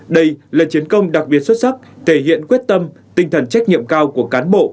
đây là chiến công đặc biệt xuất sắc thể hiện quyết tâm tinh thần trách nhiệm cao của cán bộ